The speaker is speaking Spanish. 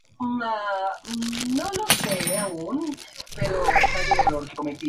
Estudió en la de París.